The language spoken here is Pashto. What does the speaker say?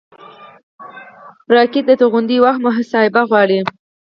راکټ د توغونې وخت محاسبه غواړي